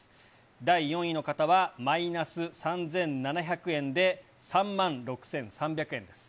第４位の方は、マイナス３７００円で、３万６３００円です。